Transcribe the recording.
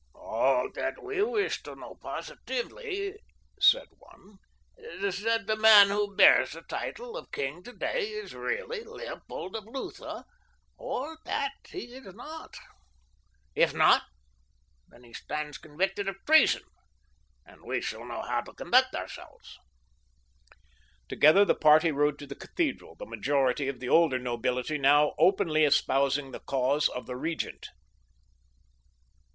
"All that we wish to know positively is," said one, "that the man who bears the title of king today is really Leopold of Lutha, or that he is not. If not then he stands convicted of treason, and we shall know how to conduct ourselves." Together the party rode to the cathedral, the majority of the older nobility now openly espousing the cause of the Regent.